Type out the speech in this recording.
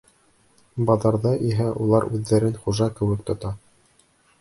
Баҙарҙа иһә улар үҙҙәрен хужа кеүек тота.